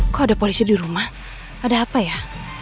kok ada polisi di rumah ada apa ya